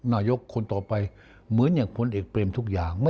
นายกคนต่อไปเหมือนอย่างพลเอกเบรมทุกอย่าง